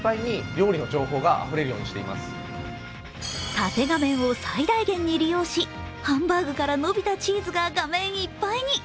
縦画面を最大限に利用し、ハンバーグから伸びたチーズが画面いっぱいに！